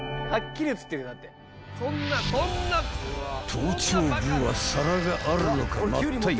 ［頭頂部は皿があるのか真っ平ら］